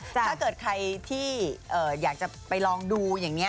ถ้าเกิดใครที่อยากจะไปลองดู